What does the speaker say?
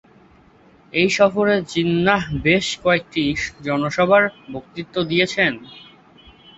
এই সফরে জিন্নাহ বেশ কয়েকটি জনসভায় বক্তৃতা দিয়েছেন।